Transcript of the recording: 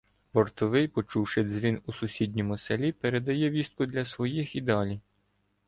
Вартовий, почувши дзвін у сусідньому селі, передає вістку для своїх і далі.